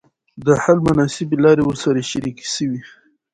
د حل مناسبي لاري ورسره شریکي سوې.